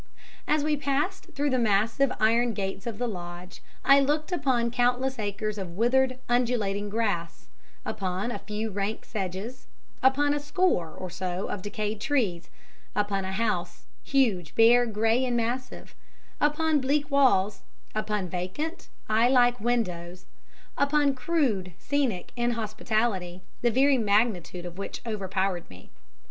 As we passed through the massive iron gates of the lodge, I looked upon countless acres of withered, undulating grass; upon a few rank sedges; upon a score or so of decayed trees; upon a house huge, bare, grey and massive; upon bleak walls; upon vacant, eye like windows; upon crude, scenic inhospitality, the very magnitude of which overpowered me.